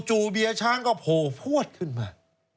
จู่เบียช้างก็โผวดขึ้นมา